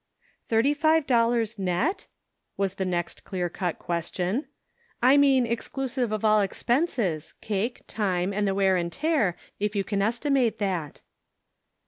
" Thirty five dollars net ?" was the next clear cut question. " I mean exclusive of all expenses, cake, time, and the wear and tear, if you can estimate that."